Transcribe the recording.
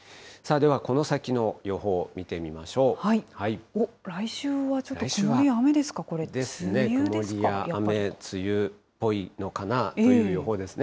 ではこの先の予報、見てみましょおっ、来週はちょっと曇りや曇りや雨、梅雨っぽいのかなという予報ですね。